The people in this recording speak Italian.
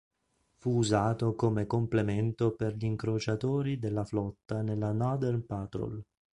Fu usato come complemento per gl'incrociatori della flotta nella Northern Patrol.